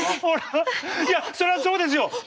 そりゃそうですよ！